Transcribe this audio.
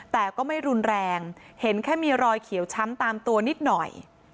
แต่ก็ไม่รุนแรงเห็นแค่มีรอยเขียวช้ำตามตัวนิดหน่อย